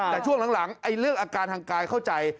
แต่ช่วงหลังเรื่องอาการทางกายเข้าใจ